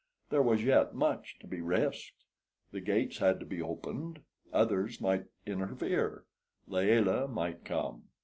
There was yet much to be risked. The gates had to be opened. Others might interfere. Layelah might come.